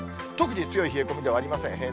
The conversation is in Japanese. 特に強い冷え込みではありません。